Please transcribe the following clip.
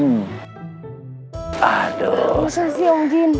masa sih om jin